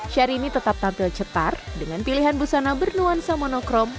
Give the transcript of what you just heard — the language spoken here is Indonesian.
syahrini tetap tampil cetar dengan pilihan busana bernuansa monochrome